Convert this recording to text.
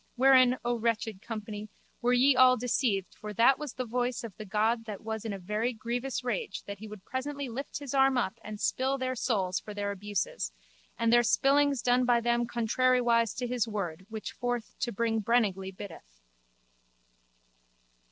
Wherein, O wretched company, were ye all deceived for that was the voice of the god that was in a very grievous rage that he would presently lift his arm up and spill their souls for their abuses and their spillings done by them contrariwise to his word which forth to bring brenningly biddeth.